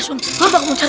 tunggu bapak umar